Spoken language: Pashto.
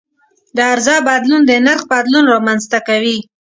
د عرضه بدلون د نرخ بدلون رامنځته کوي.